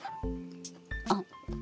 あっ。